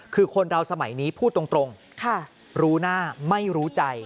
คือคนเราสมัยนี้พูดตรงรู้หน้าไม่รู้ใจ